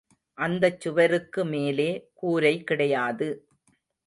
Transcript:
அந்தச் சுவருக்கு மேலே கூரை கிடையாது.